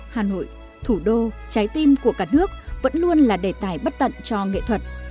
hà nội thủ đô trái tim của cả nước vẫn luôn là đề tài bất tận cho nghệ thuật